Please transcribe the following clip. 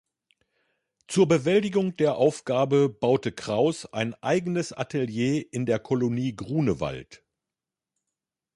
Zur Bewältigung der Aufgabe baute Kraus ein eigenes Atelier in der Kolonie Grunewald.